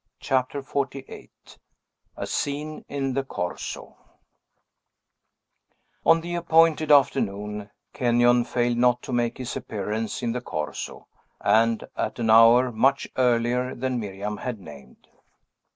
CHAPTER XLVIII A SCENE IN THE CORSO On the appointed afternoon, Kenyon failed not to make his appearance in the Corso, and at an hour much earlier than Miriam had named.